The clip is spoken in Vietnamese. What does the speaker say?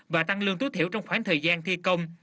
và tăng lương tối thiểu trong khoảng thời gian thi công